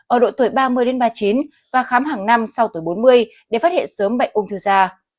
ở độ tuổi ba mươi đến ba mươi chín và khám hàng năm sau tuổi bốn mươi để phát hiện sớm bệnh ung thư da